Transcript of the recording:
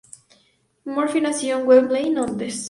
Murphy nació en Wembley, Londres.